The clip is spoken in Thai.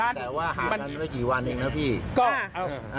แต่ว่าหาไปเพียงกี่วันนี่นะพี่